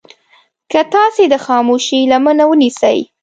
که تاسې د خاموشي لمنه ونيسئ.